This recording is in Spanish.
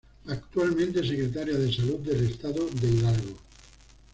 Actualmente, es Secretaria de Salud del Estado de Hidalgo